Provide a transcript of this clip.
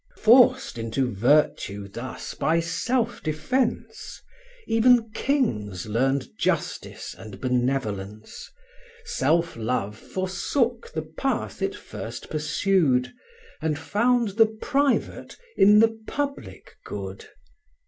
Forced into virtue thus by self defence, Even kings learned justice and benevolence: Self love forsook the path it first pursued, And found the private in the public good.